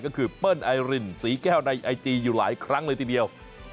ก็คือเปิ้ลไอรินศรีแก้วในไอจีอยู่หลายครั้งเลยทีเดียว